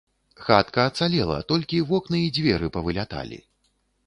Хатка ацалела, толькі вокны і дзверы павыляталі.